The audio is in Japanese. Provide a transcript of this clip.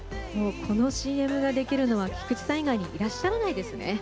このＣＭができるのは、菊池さん以外にいらっしゃらないですね。